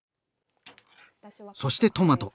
そしてトマト。